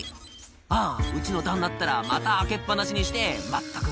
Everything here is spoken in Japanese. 「あぁうちの旦那ったらまた開けっ放しにしてまったく」